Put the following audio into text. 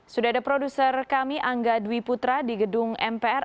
sudah ada produser kami angga dwi putra di gedung mpr